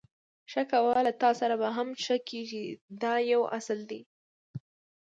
ښه کوه له تاسره به هم ښه کېږي دا یو اصل دی.